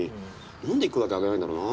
なんで１個だけあげないんだろうな？